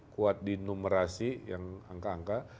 kuat di numerasi yang angka angka